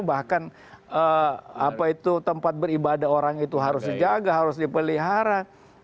bahkan tempat beribadah orang itu harus dijaga harus dipelihara